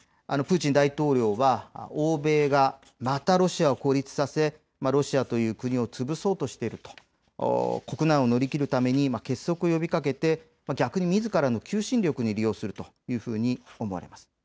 プーチン大統領は、欧米がまたロシアを孤立させロシアという国を潰そうとしていると、国難を乗り切るために結束を呼びかけて逆にみずからの求心力に利用するというふうに思われます。